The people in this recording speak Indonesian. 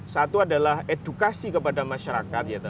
satu adalah edukasi kepada masyarakat